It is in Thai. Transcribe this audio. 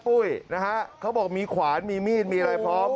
ปุ้ยนะฮะเขาบอกมีขวานมีมีดมีอะไรพร้อม